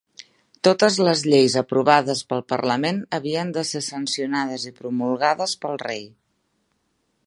Totes les lleis aprovades pel Parlament havien de ser sancionades i promulgades pel rei.